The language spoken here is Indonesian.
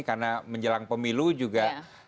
karena menjelang pemilu juga